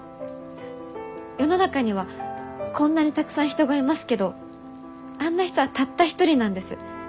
世の中にはこんなにたくさん人がいますけどあんな人はたった一人なんです。